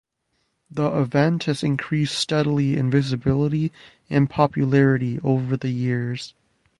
The event has increased steadily in visibility and popularity over the years.